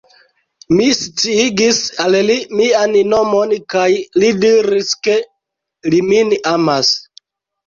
Mi sciigis al li mian nomon kaj li diris ke li min amas.